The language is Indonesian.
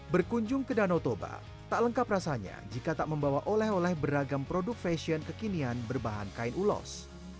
berkunjung ke danau toba tak lengkap rasanya jika tak membawa oleh oleh beragam produk fashion kekinian berbahan kain ulos